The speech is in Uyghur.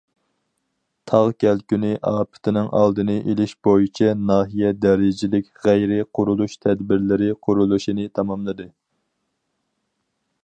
تاغ كەلكۈنى ئاپىتىنىڭ ئالدىنى ئېلىش بويىچە ناھىيە دەرىجىلىك غەيرىي قۇرۇلۇش تەدبىرلىرى قۇرۇلۇشىنى تاماملىدى.